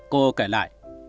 cô kể lại